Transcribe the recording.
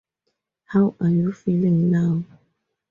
How are you feeling now?